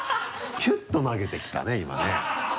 キュッと投げてきたね今ね。